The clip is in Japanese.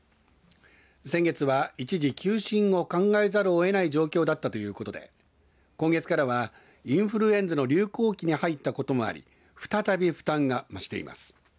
先月は一時休診を考えざるをえない状況だということで今月からはインフルエンザの流行期に入ったこともあり再び負担が増しています。